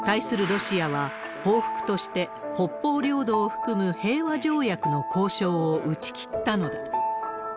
ロシアは、報復として北方領土を含む平和条約の交渉を打ち切ったのだ。